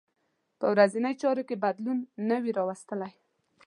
په ورځنۍ چارو کې بدلون نه وي راوستلی.